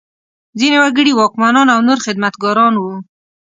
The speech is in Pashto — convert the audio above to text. ځینې وګړي واکمنان او نور خدمتګاران وو.